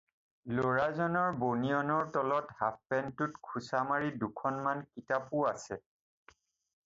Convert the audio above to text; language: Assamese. ল'ৰাজনৰ বনিয়নৰ তলত হাফপেণ্টটোত খোচামাৰি দুখনমান কিতাপো আছে।